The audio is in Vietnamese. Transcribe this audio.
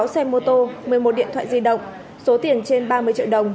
sáu xe mô tô một mươi một điện thoại di động số tiền trên ba mươi triệu đồng